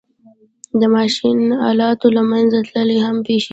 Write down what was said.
د ماشین آلاتو له منځه تلل هم پېښېږي